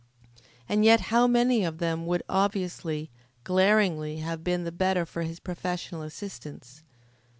And yet how many of them would obviously, glaringly have been the better for his professional assistance.